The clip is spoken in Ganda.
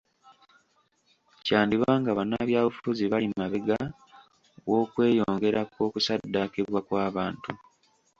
Kyandiba nga bannabyabufuzi bali mabega w'okweyongera kw'okusaddakibwa kw'abantu.